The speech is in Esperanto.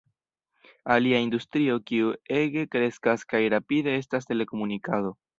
Alia industrio kiu ege kreskas kaj rapide estas telekomunikado.